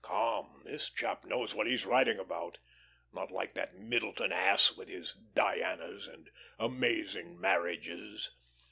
Come, this chap knows what he's writing about not like that Middleton ass, with his 'Dianas' and 'Amazing Marriages.'"